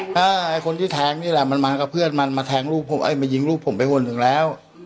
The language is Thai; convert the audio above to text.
ถ้าคนที่แทงนี่แหละมันมานี่กับเพื่อนมาเทงลูกผมมายิงลูกผมไปพ่อนถึงแล้ว